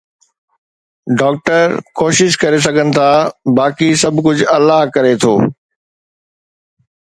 doctor ڪوشش ڪري سگھن ٿا، باقي سڀ ڪجھ الله ڪري ٿو